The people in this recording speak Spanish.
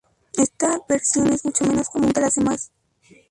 Esta versión es mucho menos común que las demás.